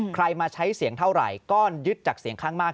มาใช้เสียงเท่าไหร่ก็ยึดจากเสียงข้างมาก